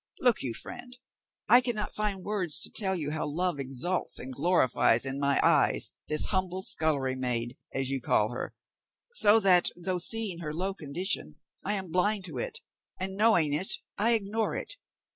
Look you, friend, I cannot find words to tell you how love exalts and glorifies in my eyes this humble scullery maid, as you call her, so that, though seeing her low condition, I am blind to it, and knowing it, I ignore it.